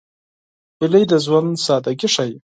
هیلۍ د ژوند سادګي ښيي